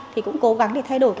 thì cũng cố gắng để thay đổi